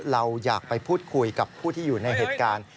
เราอยากไปพูดคุยกับผู้ที่อยู่ในเหตุการณ์